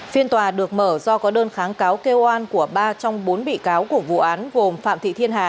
phiên tòa được mở do có đơn kháng cáo kêu oan của ba trong bốn bị cáo của vụ án gồm phạm thị thiên hà